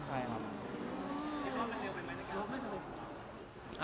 พี่เฮามีความสุขใหม่นะครับ